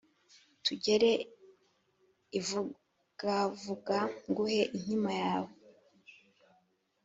tugere ivugavuga nguhe inkima yawe